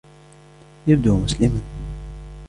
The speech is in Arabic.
يبدو مسلما.